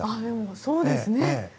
そうですね。